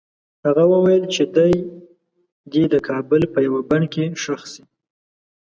هغه وویل چې دی دې د کابل په یوه بڼ کې ښخ شي.